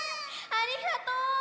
ありがとう！